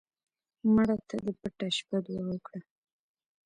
مړه ته د پټه شپه دعا وکړه